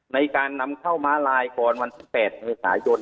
ในการนำเข้าม้าลายก่อนวันที่๘เมษายน